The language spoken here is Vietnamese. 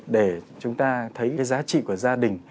để chúng ta thấy cái giá trị của gia đình